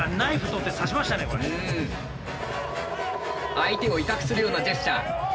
相手を威嚇するようなジェスチャー。